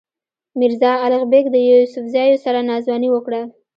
میرزا الغ بېګ له یوسفزیو سره ناځواني وکړه.